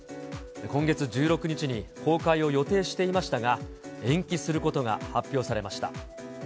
今月１６日に公開を予定していましたが、延期することが発表されました。